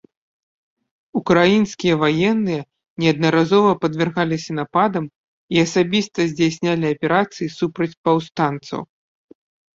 Украінскія ваенныя неаднаразова падвяргаліся нападам і асабіста здзяйснялі аперацыі супраць паўстанцаў.